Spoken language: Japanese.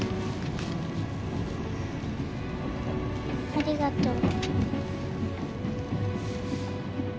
ありがとう。